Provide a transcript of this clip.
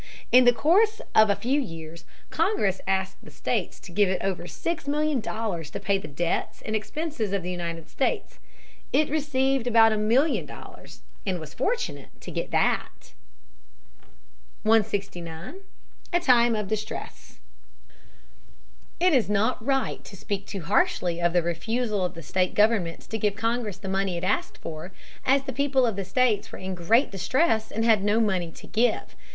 In the course of a few years Congress asked the states to give it over six million dollars to pay the debts and expenses of the United States. It received about a million dollars and was fortunate to get that. [Sidenote: Distress among the people.] 169. A Time of Distress. It is not right to speak too harshly of the refusal of the state governments to give Congress the money it asked for, as the people of the states were in great distress and had no money to give.